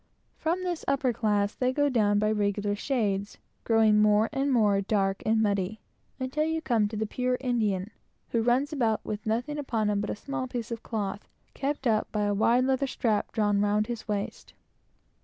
From this upper class, they go down by regular shades, growing more and more dark and muddy, until you come to the pure Indian, who runs about with nothing upon him but a small piece of cloth, kept up by a wide leather strap drawn round his waist.